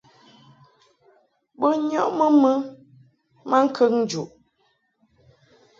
Bo nyɔʼmɨ mɨ maŋkəŋ njuʼ.